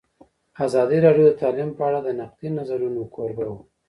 ازادي راډیو د تعلیم په اړه د نقدي نظرونو کوربه وه.